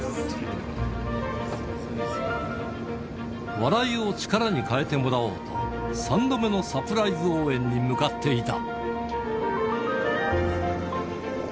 笑いを力に変えてもらおうと、３度目のサプライズ応援に向かっていた。